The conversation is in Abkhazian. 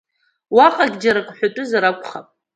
Уаҟагьы џьара ак ҳәатәызар акәхап.